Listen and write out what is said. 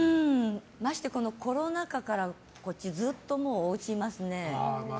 まして、コロナ禍からずっとおうちいますね。